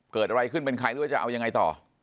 เกิดอะไรขึ้นเป็นใครหรือว่าจะเอายังไงต่อ